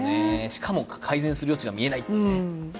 しかも、改善する余地が見えないというね。